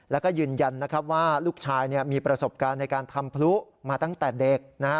แล้วก็ยืนยันนะครับว่าลูกชายมีประสบการณ์ในการทำพลุมาตั้งแต่เด็กนะฮะ